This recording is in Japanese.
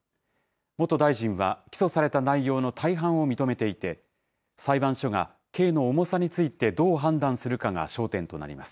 元大臣は、起訴された内容の大半を認めていて、裁判所が刑の重さについてどう判断するかが焦点となります。